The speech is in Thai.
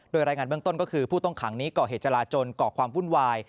โดยรายงานเบื้องต้นก็คือผู้ต้องขังนี้ก่อเหตุจราจนก่อความวุ่นวาย